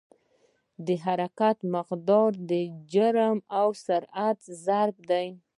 د حرکت مقدار د جرم او سرعت ضرب دی.